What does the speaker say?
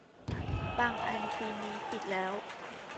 บางอันปีนี้ปิดแล้ว